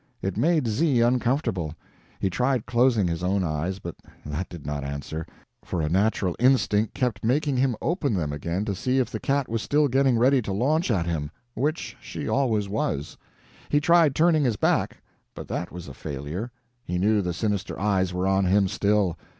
It made Z uncomfortable. He tried closing his own eyes, but that did not answer, for a natural instinct kept making him open them again to see if the cat was still getting ready to launch at him which she always was. He tried turning his back, but that was a failure; he knew the sinister eyes were on him still.